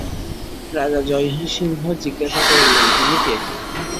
রাজা জয়সিংহ জিজ্ঞাসা করিলেন, তুমি কে?